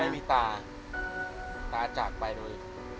ไม่มีตาตาจากไปเลย